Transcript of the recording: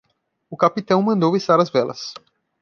O capitão mandou içar as velas.